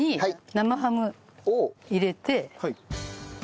生ハム入れて。